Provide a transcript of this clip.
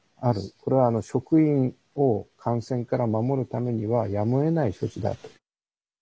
これは職員を感染から守るためにはやむをえない処置だと。